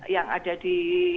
yang ada di